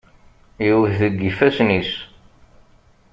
Yewwet deg yifassen-is.